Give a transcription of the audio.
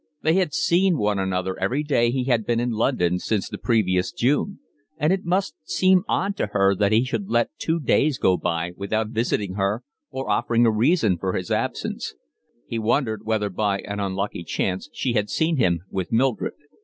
They had seen one another every day he had been in London since the previous June; and it must seem odd to her that he should let two days go by without visiting her or offering a reason for his absence; he wondered whether by an unlucky chance she had seen him with Mildred.